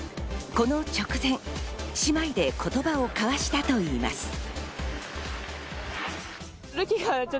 この直前、姉妹で言葉を交わしたといいます。